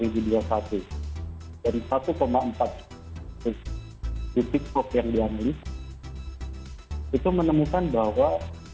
satu empat juta di tiktok yang dianggap itu menemukan bahwa